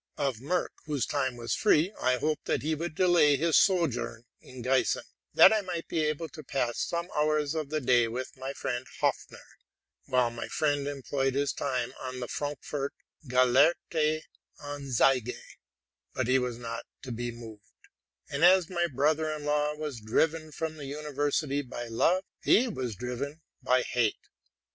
Of Merck, whose time was free, I hoped that he would delay his sojourn in Giessen, that I might be able to pass some hours of the day with my 'ood Hopfner, while my friend employed his time on the Frankfort '* Gelehrte Anzeige ; but he was not to be moved; and as my brother in law was driven from the university by love, he was driven by hate.